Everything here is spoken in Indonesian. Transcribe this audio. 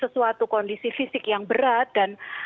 suatu kondisi fisik yang berat dan